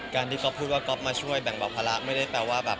การที่ก็พูดว่าก็มาช่วยแบ่งปรับภาระไม่ได้แปลว่าแบบ